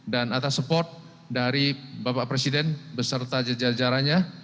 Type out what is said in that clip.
dan atas support dari bapak presiden beserta jajarannya